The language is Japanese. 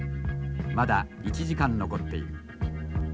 まだ１時間残っている。